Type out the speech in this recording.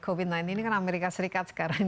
covid sembilan belas ini kan amerika serikat sekarang